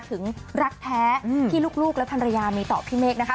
ถึงรักแท้ที่ลูกและภรรยามีต่อพี่เมฆนะคะ